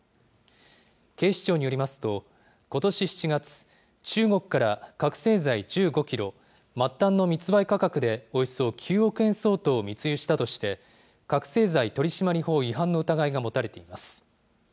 警視庁によりますと、ことし７月、中国から覚醒剤１５キロ、末端の密売価格でおよそ９億円相当を密輸したとして、覚醒剤取締法違反の疑いが持たれています。